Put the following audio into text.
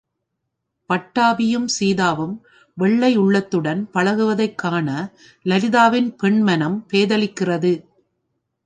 பட்டாபியும் சீதாவும் வெள்ளை உள்ளத்துடன் பழகுவதைக் காண, லலிதாவின் பெண்மனம் பேதலிக்கிறது.